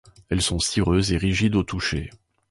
Elles sont cireuses et rigides au toucher.